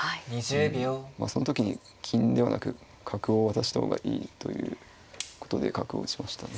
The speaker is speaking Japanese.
うんまあその時に金ではなく角を渡した方がいいということで角を打ちましたね。